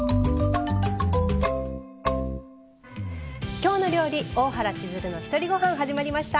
「きょうの料理」「大原千鶴のひとりごはん」始まりました。